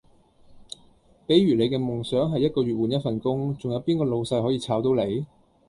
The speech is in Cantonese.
比如你嘅夢想係一個月換一份工，仲有邊個老細可以炒到你?